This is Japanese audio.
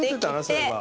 そういえば。